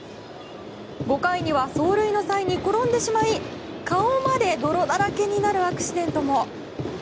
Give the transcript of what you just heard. ５回には走塁の際に転んでしまい顔まで泥だらけになるアクシデントも。